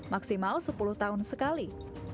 maksimal sepuluh tahun sekali